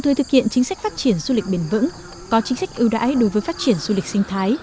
thời thực hiện chính sách phát triển du lịch bền vững có chính sách ưu đãi đối với phát triển du lịch sinh thái